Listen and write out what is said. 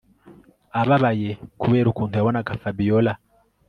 ababaye kubera ukuntu yabonaga Fabiora